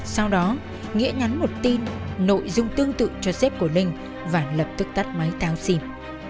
sau đó nghĩa nhắn một tin nội dung tương tự cho sếp của linh và lập tức tắt máy thao xìm